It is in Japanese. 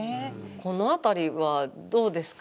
この辺りはどうですか。